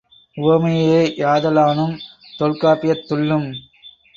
உவமையே யாதலானும், தொல்காப்பியத் துள்ளும்